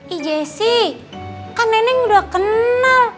ije si kan neneng udah kenal